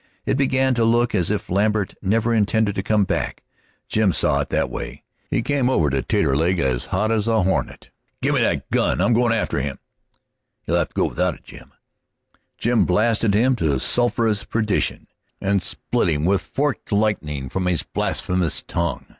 It began to look as if Lambert never intended to come back. Jim saw it that way. He came over to Taterleg as hot as a hornet. "Give me that gun I'm goin' after him!" "You'll have to go without it, Jim." Jim blasted him to sulphurous perdition, and split him with forked lightning from his blasphemous tongue.